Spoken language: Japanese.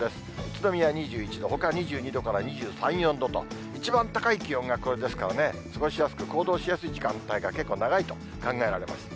宇都宮２１度、ほか２２度から２３、４度と、一番高い気温がこれですからね、過ごしやすく、行動しやすい時間帯が結構長いと考えられます。